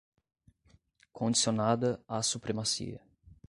Condicionada à supremacia